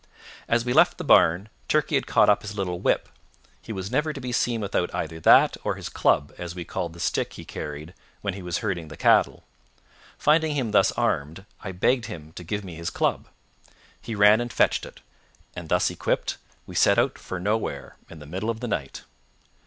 As we left the barn, Turkey had caught up his little whip. He was never to be seen without either that or his club, as we called the stick he carried when he was herding the cattle. Finding him thus armed, I begged him to give me his club. He ran and fetched it, and, thus equipped, we set out for nowhere in the middle of the night.